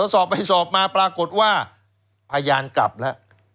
สอบไปสอบมาปรากฏว่าพยานกลับแล้ว